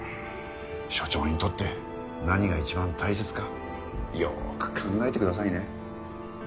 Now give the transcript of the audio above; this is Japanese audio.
署長にとって何が一番大切かよく考えてくださいね。